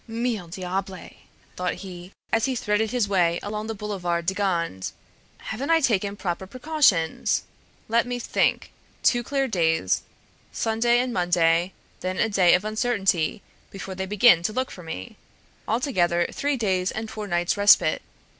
"Mille diables!" thought he, as he threaded his way along the Boulevard de Gand, "haven't I taken proper precautions? Let me think! Two clear days, Sunday and Monday, then a day of uncertainty before they begin to look for me; altogether, three days and four nights' respite.